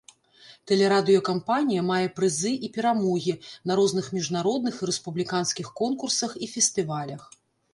Тэлерадыёкампанія мае прызы і перамогі на розных міжнародных і рэспубліканскіх конкурсах і фестывалях.